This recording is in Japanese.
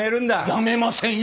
やめませんよ！